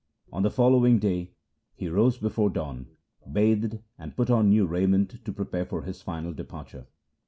On the following day he rose before dawn, bathed, and put on new raiment to prepare for his final departure.